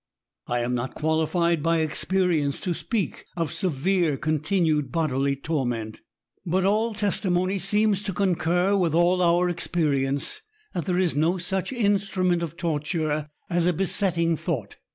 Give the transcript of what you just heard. I am not qualifled by experience to speak of severe continued bodily torment. 166 ESSAYS. but all testimony seems to concur with all our ! experience^ that there is no such instrument of '. torture as a besetting thought.